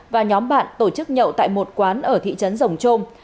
và nhóm bạn tổ chức nhậu tại một quán ở thị trấn rồng trôm